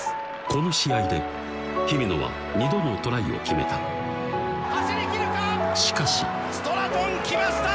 この試合で姫野は２度のトライを決めたしかしストラトン来ました